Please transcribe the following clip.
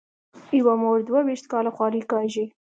یوه مور دوه وېشت کاله خواري کاږي.